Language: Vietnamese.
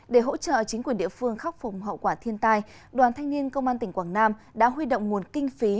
để hỗ trợ chính quyền địa phương khắc phục hậu quả thiên tai đoàn thanh niên công an tỉnh quảng nam đã huy động nguồn kinh phí